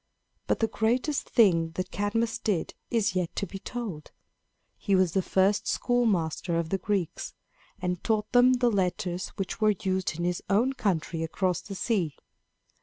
But the greatest thing that Cadmus did is yet to be told. He was the first schoolmaster of the Greeks, and taught them the letters which were used in his own country across the sea.